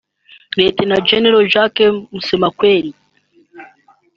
Lt Gen Jacques Musemakweli